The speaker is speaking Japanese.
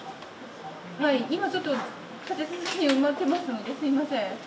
今ちょっと立て続けに埋まってますので、すみません。